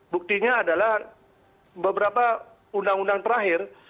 buktinya adalah beberapa undang undang terakhir